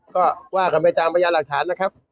ก็ว่ากันไปตามพยานหลักฐานนะครับ